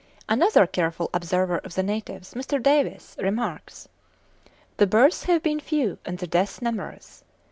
Another careful observer of the natives, Mr. Davis, remarks, "The births have been few and the deaths numerous.